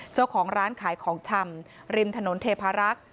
เจ้าของร้านขายของชำริมถนนเทพารักษ์